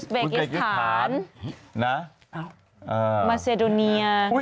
อุสเบคิสทานมาเซดูเนีย